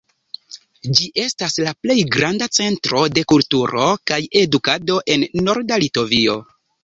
Ĝi estas la plej granda centro de kulturo kaj edukado en Norda Litovio.